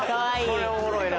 これおもろいな。